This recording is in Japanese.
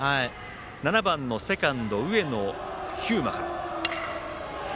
７番のセカンド上野飛馬から。